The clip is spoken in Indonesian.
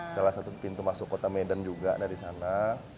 salah satu pintu masuk kota medan juga dari sana